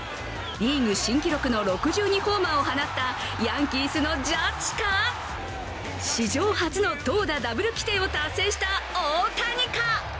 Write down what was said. リーグ新記録の６２ホーマーを放ったヤンキースのジャッジか、史上初の投打ダブル規定を達成した大谷か！？